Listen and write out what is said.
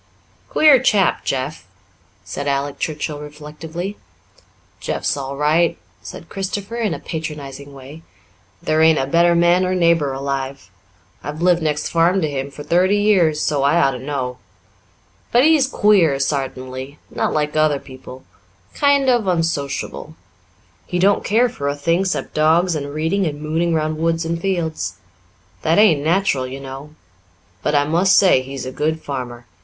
"Queer chap, Jeff," said Alec Churchill reflectively. "Jeff's all right," said Christopher in a patronizing way. "There ain't a better man or neighbour alive. I've lived next farm to him for thirty years, so I ought to know. But he's queer sartainly not like other people kind of unsociable. He don't care for a thing 'cept dogs and reading and mooning round woods and fields. That ain't natural, you know. But I must say he's a good farmer.